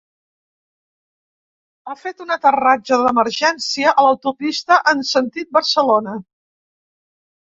Ha fet un aterratge d’emergència a l’autopista en sentit Barcelona.